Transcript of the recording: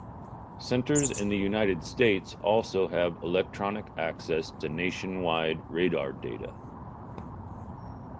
Centers in the United States also have electronic access to nationwide radar data.